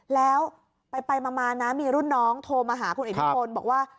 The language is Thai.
แล้วไปมานะมีรุ่นน้องโทรมาหาคุณอิทธิพลบอกว่า